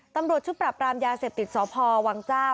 ตำรวจชุดปรับปรามยาเสพติดสพวังเจ้า